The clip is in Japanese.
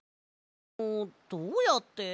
でもどうやって？